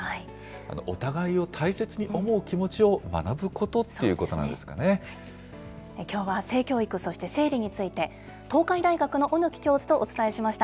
お互いを大切に思う気持ちを学ぶことっていうことなんですかきょうは性教育、そして生理について、東海大学の小貫教授とお伝えしました。